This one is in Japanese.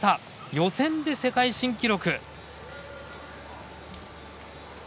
予選で世界新記録。